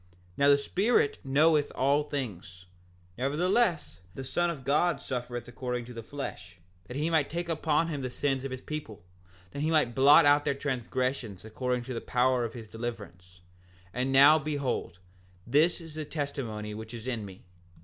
7:13 Now the Spirit knoweth all things; nevertheless the Son of God suffereth according to the flesh that he might take upon him the sins of his people, that he might blot out their transgressions according to the power of his deliverance; and now behold, this is the testimony which is in me.